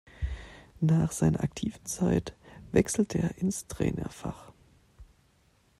Nach seiner aktiven Zeit wechselte er ins Trainerfach.